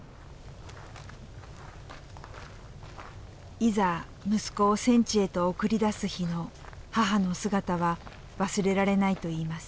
いざ息子を戦地へと送り出す日の母の姿は忘れられないといいます。